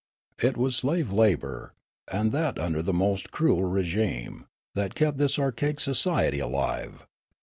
It was slave labour, and that under the most cruel regime, that kept this anarchic society alive.